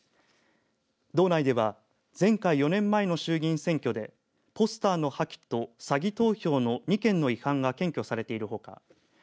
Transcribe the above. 道内では前回、４年前の衆議院選挙でポスターの破棄と詐偽投票の２件の違反が検挙されているほか